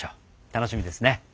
楽しみですね。